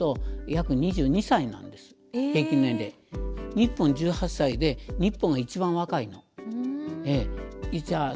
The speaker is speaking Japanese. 日本１８歳で日本が一番若いの。